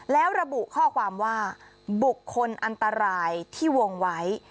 แล้วระบุข้อความว่าบุคคลอันตรายที่วงไว้